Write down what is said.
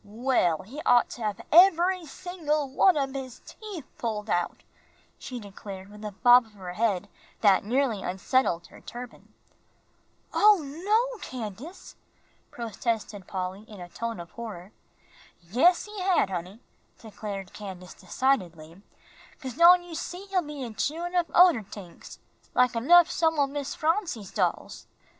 "Well, he ought to hab eb'ry single one ob his teef pulled out," she declared, with a bob of her head that nearly unsettled her turban. "Oh, no, Candace," protested Polly, in a tone of horror. "Yes, he had, honey," declared Candace, decidedly, "'cause don' you see, he'll be a chewin' up oder tings, like enough some o' Miss Phronsie's dolls."